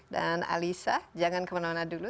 dan alisa jangan kemana mana dulu